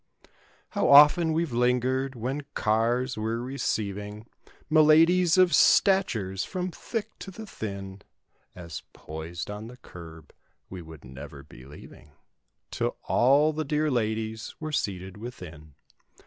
How often weVe lingered when cars were receiving Miladies of statures from thick to the thin— "As poised on the curb" we would never be leaving 'Till all the dear ladies were seated within.